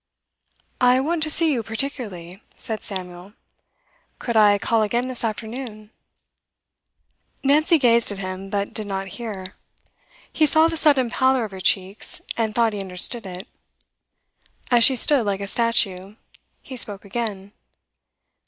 'I want to see you particularly,' said Samuel. 'Could I call again, this afternoon?' Nancy gazed at him, but did not hear. He saw the sudden pallor of her cheeks, and thought he understood it. As she stood like a statue, he spoke again.